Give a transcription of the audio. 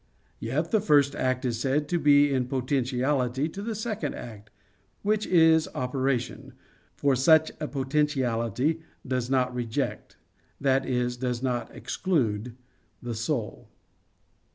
Yet the first act is said to be in potentiality to the second act, which is operation; for such a potentiality "does not reject" that is, does not exclude the soul.